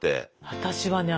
私はね